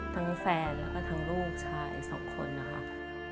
ทั้งแฟนแล้วก็ทั้งลูกชาย๒คนนะครับ